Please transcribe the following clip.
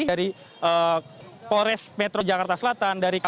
dari polres metro jakarta selatan